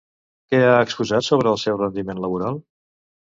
Què ha exposat sobre el seu rendiment laboral?